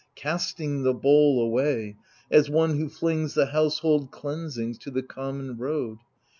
Casting the bowl away, as one who flings The household cleansings to the common road?